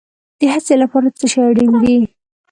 د هڅې لپاره څه شی اړین دی؟